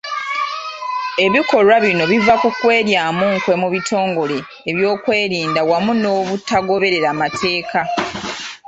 Ebikolwa bino biva ku kweryamu nkwe mu bitongole by’ebyokwerinda wamu n’obutagoberera mateeka.